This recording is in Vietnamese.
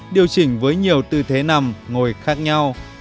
điều chỉnh với nhiều tư thế nằm ngồi khác nhau